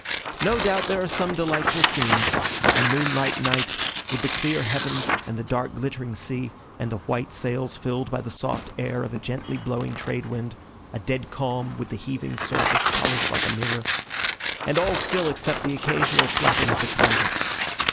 No doubt there are some delightful scenes. A moonlight night, with the clear heavens and the dark glittering sea, and the white sails filled by the soft air of a gently blowing trade wind, a dead calm, with the heaving surface polished like a mirror, and all still except the occasional flapping of the canvas.